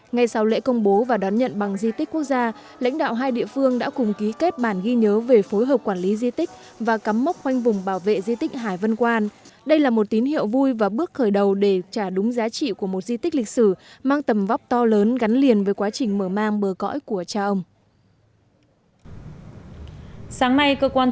ngay sau lễ công bố và đón nhận bằng di tích quốc gia lãnh đạo hai địa phương đã cùng ký kết bản ghi nhớ về phối hợp quản lý di tích và cắm mốc khoanh vùng bảo vệ di tích hải vân quan